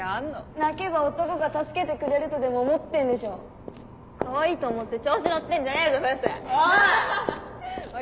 泣けば男が助けてくれるとでも思ってかわいいと思って調子乗ってんじゃねえぞおい！